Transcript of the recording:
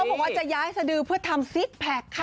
บอกว่าจะย้ายสดือเพื่อทำซิกแพคค่ะ